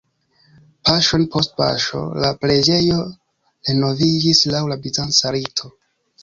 Paŝon post paŝo la preĝejo renoviĝis laŭ la bizanca rito.